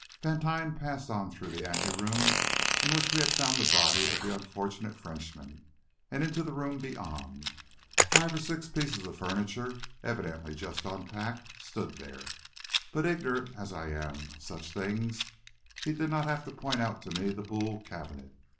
Vantine passed on through the ante room in which we had found the body of the unfortunate Frenchman, and into the room beyond. Five or six pieces of furniture, evidently just unpacked, stood there, but, ignorant as I am of such things, he did not have to point out to me the Boule cabinet.